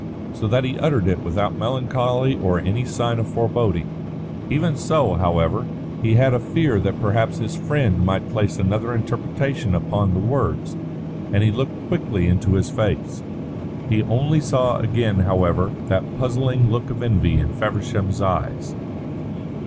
So that he uttered it without melancholy or any sign of foreboding. Even so, however, he had a fear that perhaps his friend might place another interpretation upon the words, and he looked quickly into his face. He only saw again, however, that puzzling look of envy in Feversham's eyes.